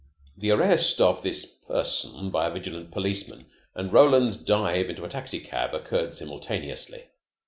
The arrest of this person by a vigilant policeman and Roland's dive into a taxicab occurred simultaneously.